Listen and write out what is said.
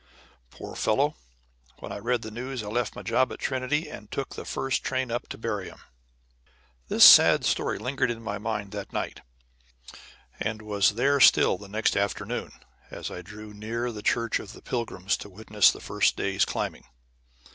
Poor fellow, when I read the news I left my job at Trinity and took the first train up to bury him." This sad story lingered in my mind that night, and was there still the next afternoon as I drew near the Church of the Pilgrims to witness the first day's climbing.